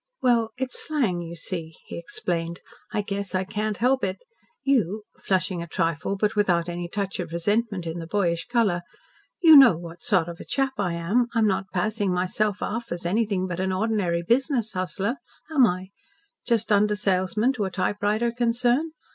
"Well, it's slang you see," he explained. "I guess I can't help it. You " flushing a trifle, but without any touch of resentment in the boyish colour, "you know what sort of a chap I am. I'm not passing myself off as anything but an ordinary business hustler, am I just under salesman to a typewriter concern?